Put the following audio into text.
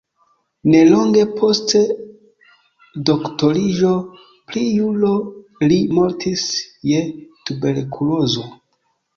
Nelonge post doktoriĝo pri juro li mortis je tuberkulozo.